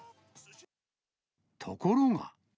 ところが。